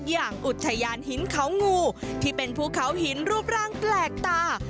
อย่างอุทยานหินเขางูที่เป็นภูเขาหินรูปร่างแปลกตา